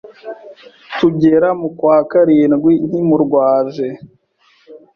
tugera mu kwa karindwi nkimurwaje